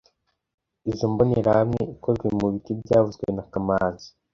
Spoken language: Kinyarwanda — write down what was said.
Izoi mbonerahamwe ikozwe mu biti byavuzwe na kamanzi